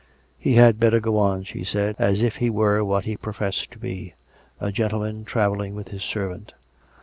He had better go on, she said, as if he were what he professed to be — a gentleman travelling with his servant.